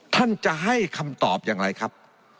ท่านจะให้คำตอบอย่างไรครับ